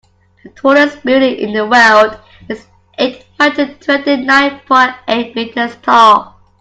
The tallest building in the world is eight hundred twenty nine point eight meters tall.